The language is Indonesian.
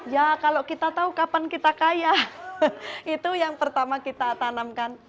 ya kalau kita tahu kapan kita kaya itu yang pertama kita tanamkan